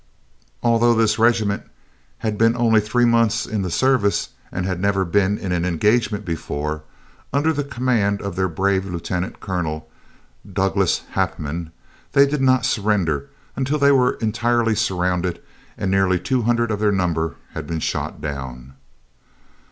Although this regiment had been only three months in the service and had never been in an engagement before, under the command of their brave Lieutenant Colonel, Douglass Hapeman, they did not surrender until they were entirely surrounded and nearly two hundred of their number had been shot down.